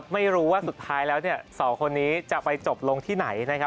ไม่รู้ว่าสุดท้ายแล้วสองคนนี้จะไปจบลงที่ไหนนะครับ